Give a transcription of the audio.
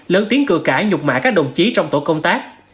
lớn tiếng cửa cãi nhục mã các đồng chí trong tổ công tác